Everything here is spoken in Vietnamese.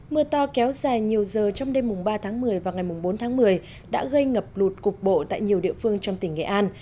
mưa to kéo dài nhiều giờ trong đêm ba tháng một mươi và ngày bốn tháng một mươi đã gây ngập lụt cục bộ tại nhiều địa phương trong tỉnh nghệ an